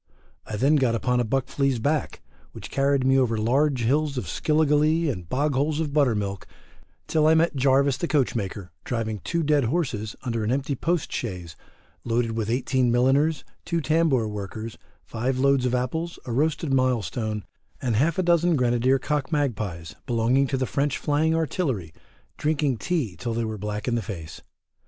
I then got upon a buck flea's back, which carried me over large hills of skilligalee and bog holes of buttermilk, till I met Jarvis the coachmaker driving two dead horses under an empty post chaise loaded with 18 milliners, 2 tambour workers, 5 loads of apples, a roasted milestone, and half a dozen grenadier cock magpies, belonging to the French flying artillery, drinking tea till they were black in the face.